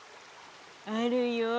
あるよ。